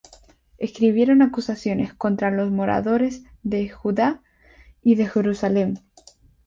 escribieron acusaciones contra los moradores de Judá y de Jerusalem.